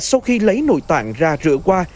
sau khi lấy nội tạng ra rửa qua